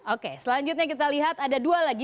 oke selanjutnya kita lihat ada dua lagi